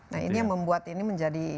nah ini yang membuat ini menjadi